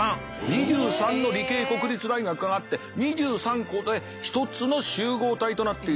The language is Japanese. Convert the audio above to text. ２３の理系国立大学があって２３校で一つの集合体となっているという。